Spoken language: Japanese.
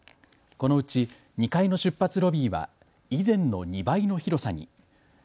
このうち２階の出発ロビーは以前の２倍の広さに。